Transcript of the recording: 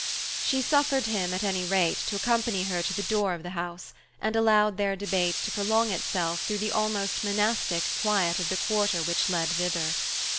She suffered him, at any rate, to accompany her to the door of the house, and allowed their debate to prolong itself through the almost monastic quiet of the quarter which led thither.